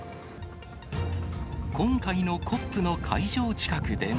今回のＣＯＰの会場近くでも。